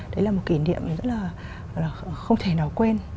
đấy là một kỷ niệm rất là không thể nào quên